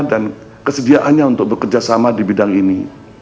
dan kesediaannya untuk bekerjasama di bidang ini